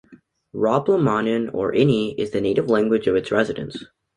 Romblomanon or "Ini" is the native language of its residents.